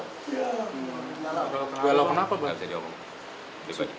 kalau kenapa pak